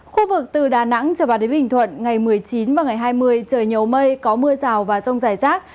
khu vực từ đà nẵng trở vào đến bình thuận ngày một mươi chín và ngày hai mươi trời nhiều mây có mưa rào và rông rải rác